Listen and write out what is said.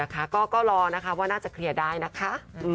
ก็รอนะคะว่าน่าจะเคลียร์ได้นะคะ